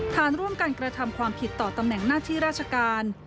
ฐานร่วมกันกระทำความผิดต่อตำแหน่งหน้าที่ราชการ